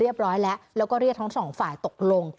เรียบร้อยแล้วแล้วก็เรียกทั้งสองฝ่ายตกลง